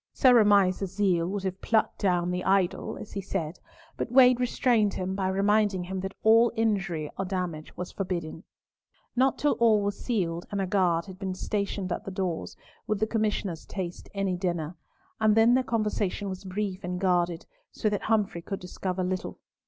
Sir Amias's zeal would have "plucked down the idol," as he said, but Wade restrained him by reminding him that all injury or damage was forbidden. Not till all was sealed, and a guard had been stationed at the doors, would the Commissioners taste any dinner, and then their conversation was brief and guarded, so that Humfrey could discover little.